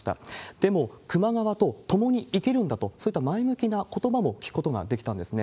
でも、球磨川と共に生きるんだと、そういった前向きなことばも聞くことができたんですね。